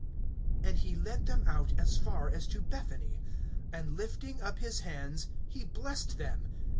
(50)And he led them out as far as to Bethany; and lifting up his hands, he blessed them.